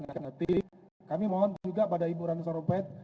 nanti kami mohon pada ibu rana sarompet